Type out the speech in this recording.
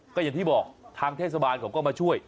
ก็อย่างที่บอกทางเทศบาลเขาก็มาช่วย